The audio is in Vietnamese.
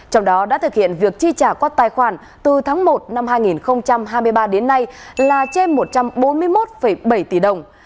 trong đó đã thực hiện việc chi trả quát tài khoản từ tháng một năm hai nghìn hai mươi ba đến nay là trên một trăm bốn mươi một bảy tỷ đồng